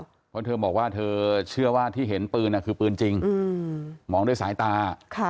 เพราะเธอบอกว่าเธอเชื่อว่าที่เห็นปืนคือปืนจริงมองด้วยสายตา